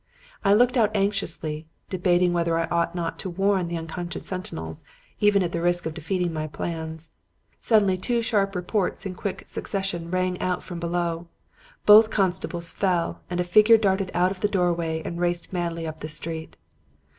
I looked out anxiously, debating whether I ought not to warn the unconscious sentinels even at the risk of defeating my plans. Suddenly two sharp reports in quick succession rang out from below; both constables fell, and a figure darted out of the doorway and raced madly up the street.